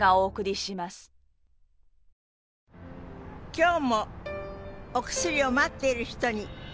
今日もお薬を待っている人に。